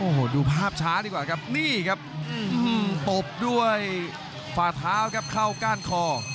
โอ้โหดูภาพช้าดีกว่าครับนี่ครับตบด้วยฝ่าเท้าครับเข้าก้านคอ